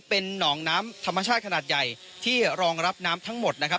เป็นหนองน้ำธรรมชาติขนาดใหญ่ที่รองรับน้ำทั้งหมดนะครับ